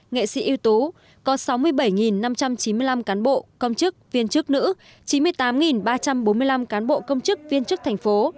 nghệ sĩ ưu tú có sáu mươi bảy năm trăm chín mươi năm cán bộ công chức viên chức nữ chín mươi tám ba trăm bốn mươi năm cán bộ công chức viên chức thành phố